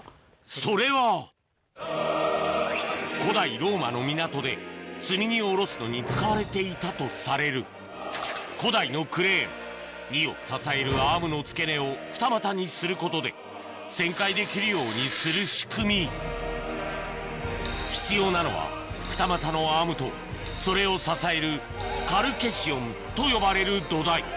それは古代ローマの港で積み荷を降ろすのに使われていたとされる古代のクレーン荷を支えるアームの付け根を二股にすることで旋回できるようにする仕組み必要なのは二股のアームとそれを支えるカルケシオンと呼ばれる土台